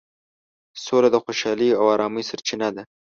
سوله د خوشحالۍ او ارامۍ سرچینه ده.